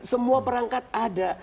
semua perangkat ada